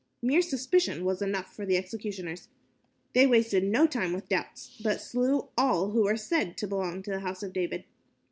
Mere suspicion was enough for the executioners. They wasted no time with doubts, but slew all who were said to belong to the House of David.